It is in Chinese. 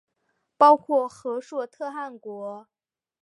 包括和硕特汗国。